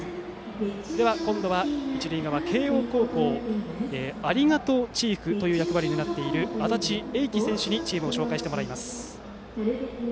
では、今度は一塁側、慶応高校ありがとうチーフという役割を担っている安達英輝選手にチームを紹介してもらいます。